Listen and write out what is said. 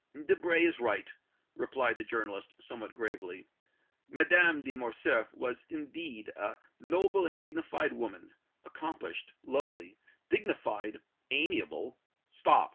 "Debray is right," replied the journalist, somewhat gravely. "Madame de Morcerf was, indeed, a noble and dignified woman accomplished, lovely, dignified, amiable " "Stop!